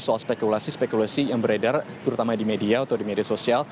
soal spekulasi spekulasi yang beredar terutama di media atau di media sosial